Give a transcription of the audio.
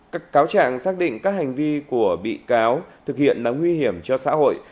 các cáo trạng xác định các hành vi của bị cáo thực hiện là nguy hiểm cho xã hội